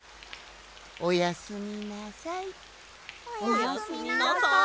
おやすみなさい。